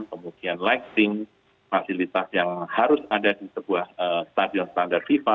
kemudian lighting fasilitas yang harus ada di sebuah stadion standar fifa